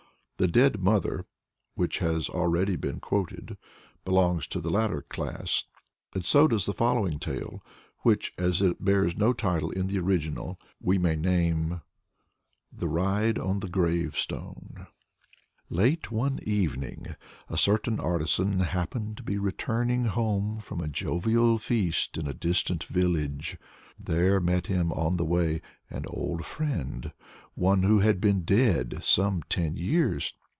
The "Dead Mother," which has already been quoted, belongs to the latter class; and so does the following tale which, as it bears no title in the original, we may name, THE RIDE ON THE GRAVESTONE. Late one evening a certain artisan happened to be returning home from a jovial feast in a distant village. There met him on the way an old friend, one who had been dead some ten years.